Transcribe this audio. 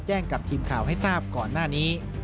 กับทีมข่าวให้ทราบก่อนหน้านี้